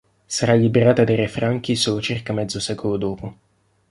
Sarà liberata dai re Franchi solo circa mezzo secolo dopo.